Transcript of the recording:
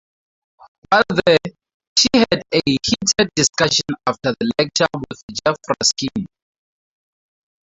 While there, she had "a heated discussion after the lecture" with Jef Raskin.